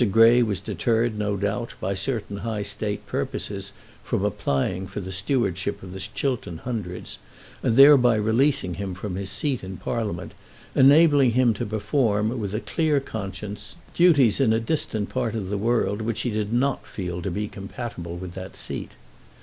Grey was deterred, no doubt by certain high State purposes, from applying for the stewardship of the Chiltern Hundreds, and thereby releasing himself from his seat in Parliament, and enabling himself to perform, with a clear conscience, duties in a distant part of the world which he did not feel to be compatible with that seat.